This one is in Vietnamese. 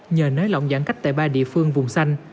nhờ nới lỏng giãn cách tại ba địa phương vùng xanh